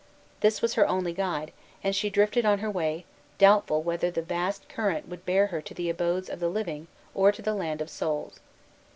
This was her only guide; and she drifted on her way, doubtful whether the vast current would bear her to the abodes of the living or to the land of souls.